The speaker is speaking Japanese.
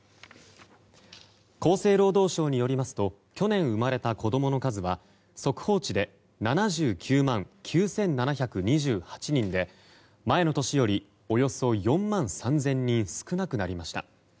厚生労働省によりますと去年生まれた子供の数は速報値で７９万９７２８人で前の年よりおよそ４万３０００人少なくなりました。